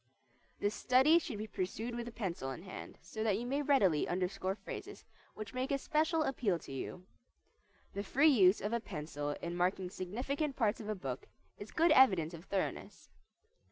This study should be pursued with pencil in hand, so that you may readily underscore phrases which make a special appeal to you. The free use of a pencil in marking significant parts of a book is good evidence of thoroughness.